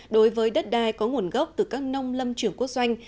đối với đất đai có nguồn gốc từ các nông lâm trưởng quốc doanh